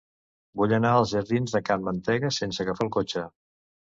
Vull anar als jardins de Can Mantega sense agafar el cotxe.